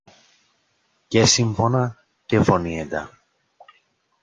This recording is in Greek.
και σύμφωνα και φωνήεντα